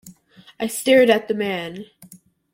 I stared at the man.